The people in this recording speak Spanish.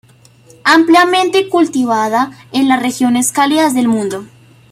Ampliamente cultivada en las regiones cálidas del mundo.